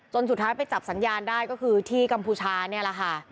สุดท้ายไปจับสัญญาณได้ก็คือที่กัมพูชานี่แหละค่ะ